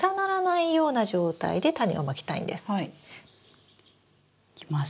いきます。